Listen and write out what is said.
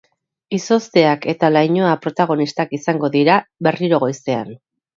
Izozteak eta lainoa protagonistak izango dira berriro goizean.